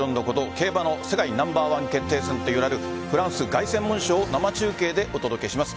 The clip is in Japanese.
競馬の世界ナンバーワン決定戦といわれる凱旋門賞を生中継でお届けします。